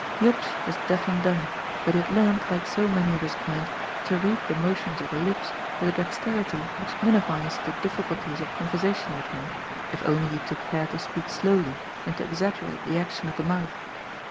Jops was deaf and dumb, but he had learnt, like so many of his kind, to read the motions of the lips with a dexterity which minimised the difficulties of conversation with him, if only you took care to speak slowly and to exaggerate the action of the mouth.